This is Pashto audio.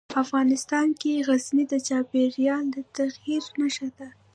افغانستان کې غزني د چاپېریال د تغیر نښه ده.